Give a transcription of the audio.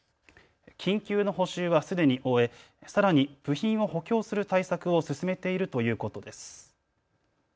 緊急の補修はすでに終えさらに部品を補強する対策を進めているということです。